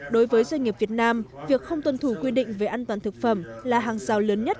đối với doanh nghiệp việt nam việc không tuân thủ quy định về an toàn thực phẩm là hàng rào lớn nhất